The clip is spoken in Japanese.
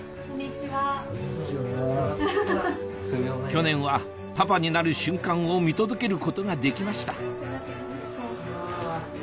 去年はパパになる瞬間を見届けることができました